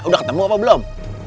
udah ketemu apa belum